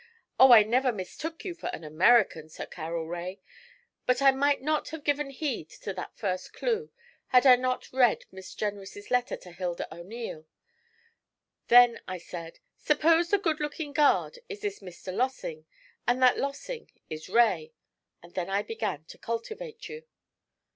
Oh, I never mistook you for an American, Sir Carroll Rae; but I might not have given heed to that first clue, had I not read Miss Jenrys' letter to Hilda O'Neil; then I said, "Suppose the good looking guard is this Mr. Lossing, and that Lossing is Rae?" And then I began to cultivate you.'